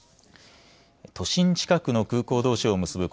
都心近くの空港どうしを結ぶ